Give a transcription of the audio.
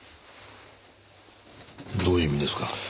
どういう意味ですか？